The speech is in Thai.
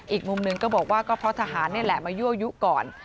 อีกมุมหนึ่งก็บอกว่าก็เพราะทหารนี่แหละมายั่วยุก่อน